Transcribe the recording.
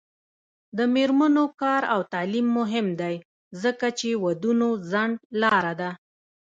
د میرمنو کار او تعلیم مهم دی ځکه چې ودونو ځنډ لاره ده.